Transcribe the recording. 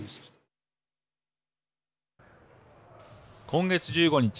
今月１５日